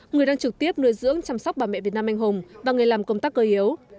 người đang trực tiếp nuôi dưỡng chăm sóc bà mẹ việt nam anh hùng và người làm công tác cơ yếu